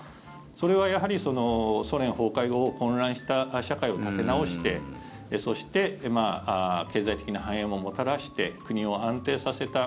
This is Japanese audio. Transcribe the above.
それはやはり、ソ連崩壊後混乱した社会を立て直してそして経済的な繁栄ももたらして国を安定させた。